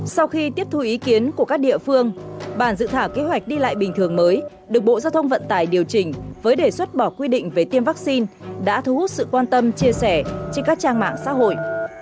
sau khi tiếp thu ý kiến của các địa phương bản dự thảo kế hoạch đi lại bình thường mới được bộ giao thông vận tải điều chỉnh với đề xuất bỏ quy định về tiêm vaccine đã thu hút sự quan tâm chia sẻ trên các trang mạng xã hội